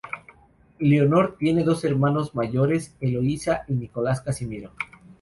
Leonor tiene dos hermanos mayores, Eloísa y Nicolás Casimiro.